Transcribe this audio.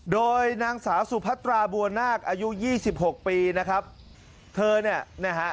โดยนางสาวสุพัตราบัวนาคอายุยี่สิบหกปีนะครับเธอเนี่ยนะฮะ